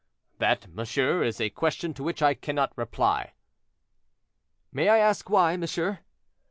"That, monsieur, is a question to which I cannot reply." "May I ask why, monsieur?"